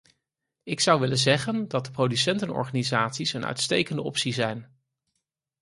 Ik zou willen zeggen dat producentenorganisaties een uitstekende optie zijn.